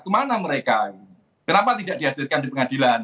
kemana mereka kenapa tidak dihadirkan di pengadilan